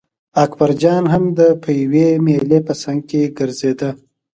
اکبرجان هم د پېوې مېلې په څنګ کې ګرځېده.